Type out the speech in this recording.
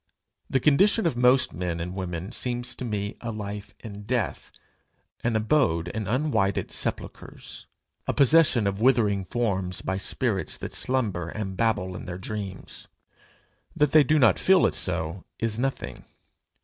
The condition of most men and women seems to me a life in death, an abode in unwhited sepulchres, a possession of withering forms by spirits that slumber, and babble in their dreams. That they do not feel it so, is nothing.